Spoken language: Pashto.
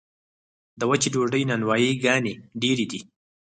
د وچې ډوډۍ نانوایي ګانې ډیرې دي